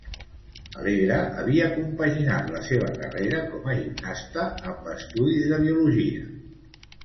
Alegre havia compaginat la seua carrera com a gimnasta amb estudis de Biologia.